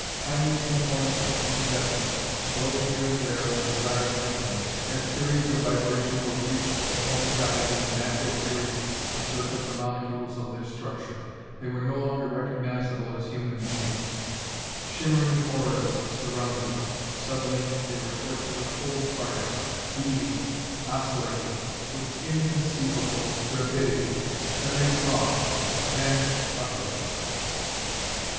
Tiny pin points of incandescence glowed here and there from the Zar's victims as periods of vibration were reached that coincided with the natural periods of certain of the molecules of their structure. They were no longer recognizable as human beings. Shimmering auras surrounded them. Suddenly they were torches of cold fire, weaving, oscillating with inconceivable rapidity. Then they were gone; vanished utterly.